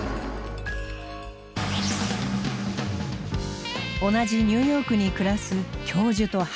同じニューヨークに暮らす教授とハカセ。